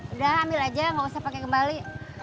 udah ambil aja nggak usah pakai kembali